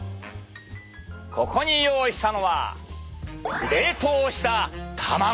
ここに用意したのは冷凍した卵。